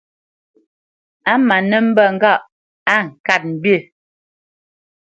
A má nə́ mbe ŋgâʼ á kát mbî.